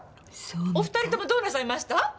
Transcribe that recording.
お２人ともどうなさいました？